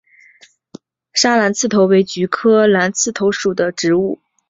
砂蓝刺头为菊科蓝刺头属的植物。